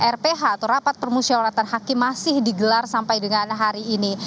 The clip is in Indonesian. rph atau rapat permusyawaratan hakim masih digelar sampai dengan hari ini